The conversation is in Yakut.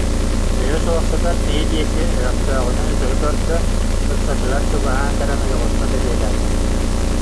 өйө суох сытар киһи диэки өһөхтөөҕүнэн өтөрү көрдө, ыксатыгар чугаһаан кэлэн ойоҕоско тэбиэлээтэ